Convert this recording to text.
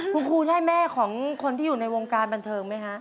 คุณครูได้แม่ของคนที่อยู่ในวงการบันเทิงไหมคะ